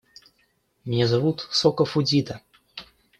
Меня зовут Соко Фудзита.